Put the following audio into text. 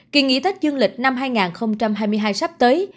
kỳ nghỉ tết dương lịch năm hai nghìn hai mươi hai sắp tới